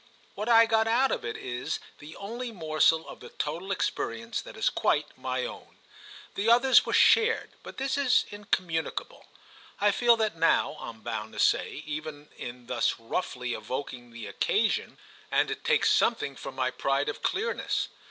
What I got out of it is the only morsel of the total experience that is quite my own. The others were shared, but this is incommunicable. I feel that now, I'm bound to say, even in thus roughly evoking the occasion, and it takes something from my pride of clearness.